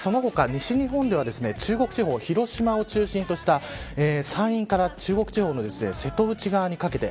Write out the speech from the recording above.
西日本では、中国地方広島を中心とした山陰から中国地方の瀬戸内側にかけて。